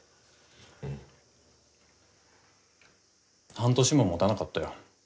半年ももたなかったよ。